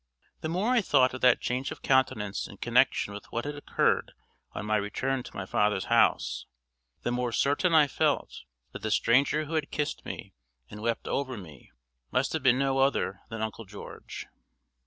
The more I thought of that change of countenance in connection with what had occurred on my return to my father's house, the more certain I felt that the stranger who had kissed me and wept over me must have been no other than Uncle George.